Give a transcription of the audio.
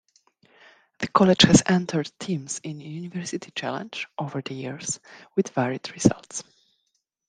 The college has entered teams in "University Challenge" over the years, with varied results.